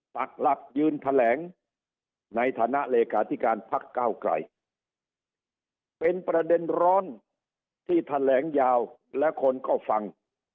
ปักหลักยืนแถลงในฐานะเลขาธิการพักก้าวไกลเป็นประเด็นร้อนที่แถลงยาวและคนก็ฟัง